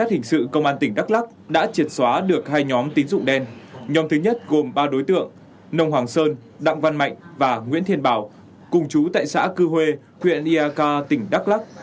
nhóm hình sự công an tỉnh đắk lắc đã triệt xóa được hai nhóm tín dụng đen nhóm thứ nhất gồm ba đối tượng nông hoàng sơn đặng văn mạnh và nguyễn thiên bảo cùng chú tại xã cư huê huyện iak tỉnh đắk lắc